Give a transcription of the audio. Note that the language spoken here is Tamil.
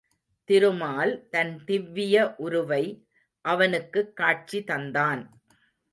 திருமால் தன் திவ்விய உருவை அவனுக்குக் காட்சி தந்தான்.